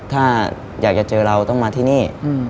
ถ้าอยากจะเจอเราต้องมาที่นี่